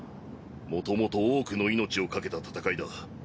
もともと多くの命を懸けた戦いだ。